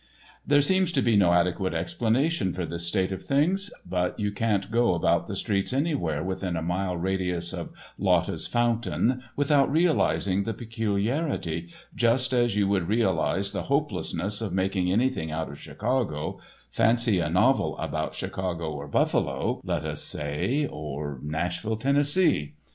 There seems to be no adequate explanation for this state of things, but you can't go about the streets anywhere within a mile radius of Lotta's fountain without realising the peculiarity, just as you would realise the hopelessness of making anything out of Chicago, fancy a novel about Chicago or Buffalo, let us say, or Nashville, Tennessee.